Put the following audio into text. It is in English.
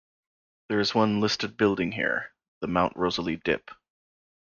There is one listed building here, the Mount Rosalie Dip.